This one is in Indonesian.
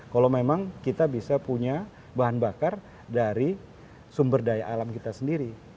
kalau memang kita bisa punya bahan bakar dari sumber daya alam kita sendiri